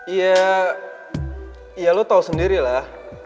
iya lo tau sendiri lah